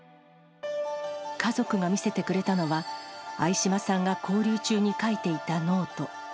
家族が見せてくれたのは、相嶋さんが勾留中に書いていたノート。